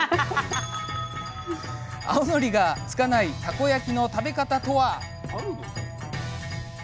青のりがつかないたこ焼きの食べ方とは。